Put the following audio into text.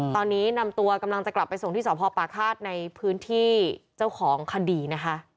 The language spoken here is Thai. ตอนนี้นำตัวกำลังจะกลับไปส่งที่สพป่าฆาตในพื้นที่เจ้าของคดีนะคะ